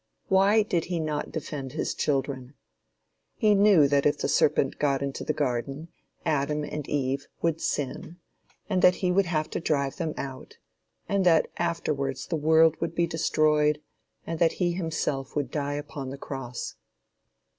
Why did he not defend his children? He knew that if the serpent got into the garden, Adam and Eve would sin, that he would have to drive them out, that afterwards the world would be destroyed, and that he himself would die upon the cross.